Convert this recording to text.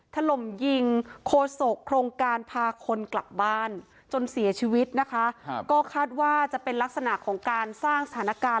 ถล่มยิงโคศกโครงการพาคนกลับบ้านจนเสียชีวิตนะคะครับก็คาดว่าจะเป็นลักษณะของการสร้างสถานการณ์